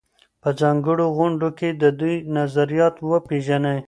په ځانګړو غونډو کې د دوی نظریات وپېژنئ.